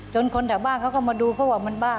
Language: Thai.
จนคนถ้าบ้าเขาก็มาดูเขาว่ามันบ้า